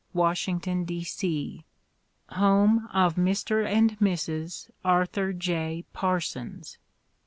^Vashington, D. C. Home of Mr. and Mrs. Arthur J. Parsons.